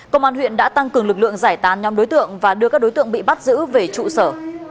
công an huyện đã tăng cường lực lượng giải tán nhóm đối tượng và đưa các đối tượng bị bắt giữ về trụ sở